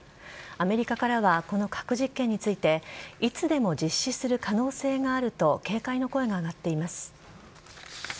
アメリカからはこの核実験についていつでも実施する可能性があると警戒の声が上がっています。